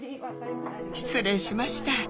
失礼しました。